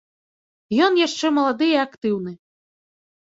Ён яшчэ малады і актыўны.